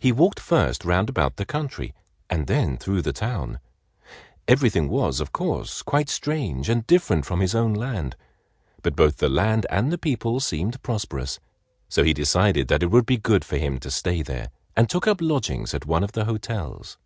He walked first round about the country and then through the town. Everything was, of course, quite strange, and different from his own land. But both the land and the people seemed prosperous, so he decided that it would be good for him to stay there and took up lodgings at one of the hotels.